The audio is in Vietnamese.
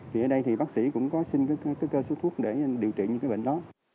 vì ở đây thì bác sĩ cũng có xin cái cơ sứ thuốc để điều trị những cái bệnh đó